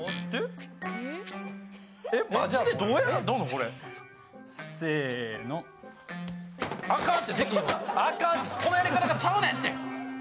このやり方がちゃんねんて。